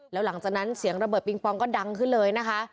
แล้วหลังจากนั้นเสียงระเบิดปิงปองก็ดังขึ้นเลยนะคะ